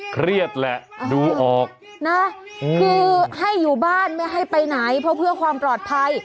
เครียดแหละดูออกนะคือให้อยู่บ้านไม่ให้ไปไหนเพราะเพื่อความปลอดภัย